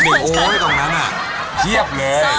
ทุกตรงนั้นอะเยียบเลย